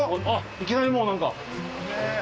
いきなり、もうなんか。